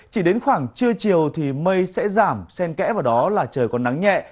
chỉ đến khoảng trưa chiều thì mây sẽ giảm sen kẽ vào đó là trời còn nắng nhẹ